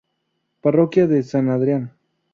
Parroquia de San Adrián.